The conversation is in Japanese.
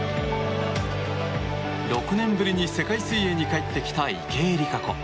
６年ぶりに世界水泳に帰ってきた池江璃花子。